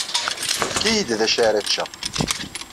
Efk-iyi-d d acu ara cceɣ.